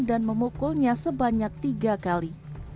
dan memukulnya sebanyak tiga kali